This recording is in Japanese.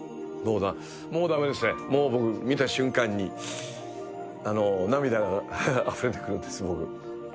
もうだめですね、もう僕、見た瞬間に、涙があふれてくるんですよ、僕。